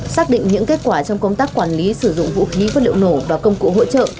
xác định những kết quả trong công tác quản lý sử dụng vũ khí vật liệu nổ và công cụ hỗ trợ